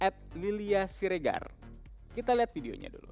kita lihat videonya dulu